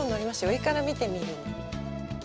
上から見てみる。